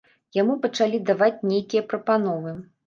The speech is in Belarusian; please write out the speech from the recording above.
Яму пачалі даваць нейкія прапановы.